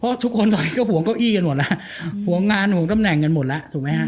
เพราะทุกคนตอนนี้ก็ห่วงเก้าอี้กันหมดแล้วห่วงงานห่วงตำแหน่งกันหมดแล้วถูกไหมฮะ